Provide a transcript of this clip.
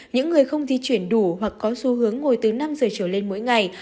những người không di chuyển đủ hoặc có xu hướng ngồi từ năm giờ trở lên mỗi ngày